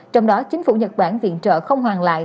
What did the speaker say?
trong đó chính phủ nhật bản viện trợ không hoàn lại